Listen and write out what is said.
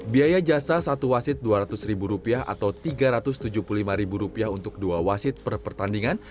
biaya jasa satu wasit dua ratus ribu rupiah atau tiga ratus tujuh puluh lima ribu rupiah untuk dua wasit per pertandingan